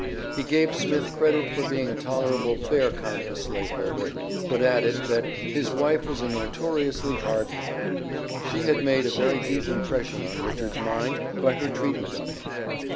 He gave Smith credit for being a tolerable fair kind of a slave holder, but added, that "his wife was a notoriously hard woman;" she had made a very deep impression on Richard's mind by her treatment of him.